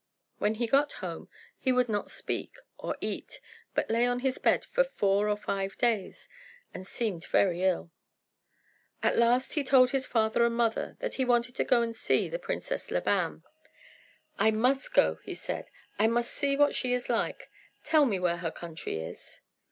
When he got home, he would not speak or eat, but lay on his bed for four or five days, and seemed very ill. At last he told his father and mother that he wanted to go and see the Princess Labam. "I must go," he said; "I must see what she is like. Tell me where her country is."